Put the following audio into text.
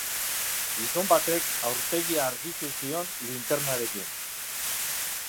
Gizon batek aurpegia argitu zion linternarekin.